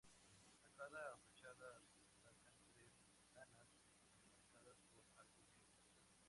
En cada fachada destacan tres ventanas, enmarcadas por arcos ciegos.